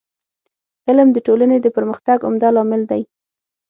علم د ټولني د پرمختګ عمده لامل دی.